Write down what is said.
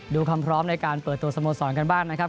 ดูคำพร้อมในการเปิดตัวสโมสรกันบ้างนะครับ